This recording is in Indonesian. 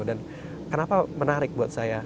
dan kenapa menarik buat saya